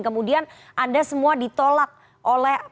pokoknya pokoknya tidak boleh